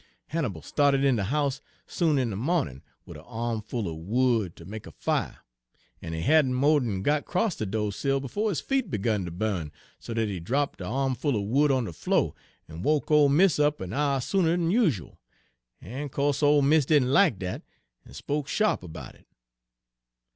Hannibal sta'ted in de house soon in de mawnin' wid a armful er wood ter make a fire, en he hadn' mo' d'n got 'cross de do' sill befo' his feet begun ter bu'n so dat he drap'de armful er wood on de flo' en woke ole mis' up a' hour sooner 'n yushal, en co'se ole mis' didn' lack dat, en spoke sha'p erbout it.